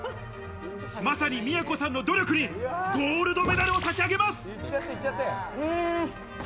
まさに都さんの努力に、ゴールドメダルを差し上げます。